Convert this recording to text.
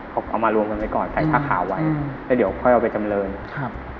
เขาเอามารวมกันไว้ก่อนใส่ผ้าขาวไว้แล้วเดี๋ยวค่อยเอาไปจำเรินครับ